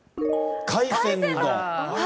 海鮮丼。